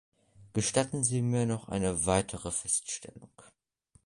Gestatten Sie mir noch eine weitere Feststellung.